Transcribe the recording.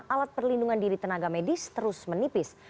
alat perlindungan diri tenaga medis terus menipis